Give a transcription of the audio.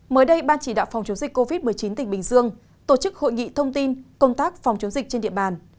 mới đây ban chỉ đạo phòng chống dịch covid một mươi chín tỉnh bình dương tổ chức hội nghị thông tin công tác phòng chống dịch trên địa bàn